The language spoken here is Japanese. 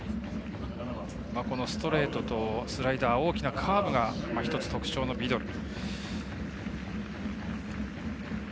ストレートとスライダー大きなカーブが１つ特徴のビドル。